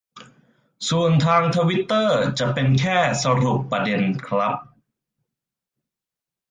ส่วนทางทวิตเตอร์จะเป็นแค่สรุปประเด็นครับ